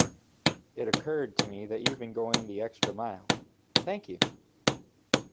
It occurred to me you've been going the extra mile. Thank you!.